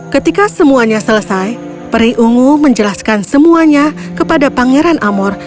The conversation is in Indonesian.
ketika semuanya selesai periungu menjelaskan semuanya kepada pangeran amor